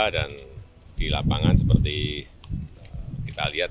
dan di lapangan seperti kita lihat